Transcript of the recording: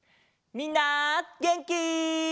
みんなげんき？